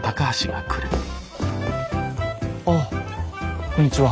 あっこんにちは。